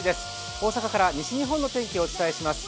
大阪から西日本の天気をお伝えします。